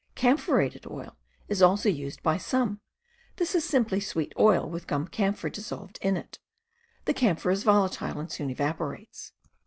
Cam phorated oil is also used by some; this is simply sweet oil with gum camphor dissolved in it: the camphor is volatile and soon evaporates